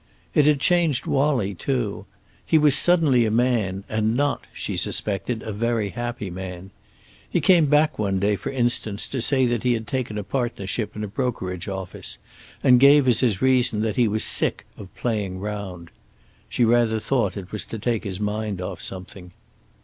It had changed Wallie, too. He was suddenly a man, and not, she suspected, a very happy man. He came back one day, for instance, to say that he had taken a partnership in a brokerage office, and gave as his reason that he was sick of "playing round." She rather thought it was to take his mind off something.